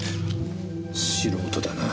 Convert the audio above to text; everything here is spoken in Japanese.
素人だな。